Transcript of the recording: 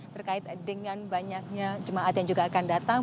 terkait dengan banyaknya jemaat yang juga akan datang